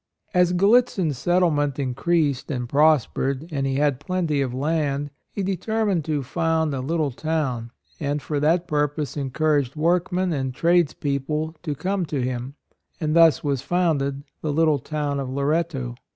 As Gallitzin's settlement in creased and prospered and he had plenty of land, he deter mined to found a little town, and for that purpose encouraged workmen and tradespeople to come to him; and thus was founded the little town of Loretto.